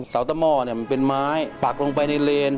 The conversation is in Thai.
เสาตะม่อเป็นไม้ปักลงไปในเลน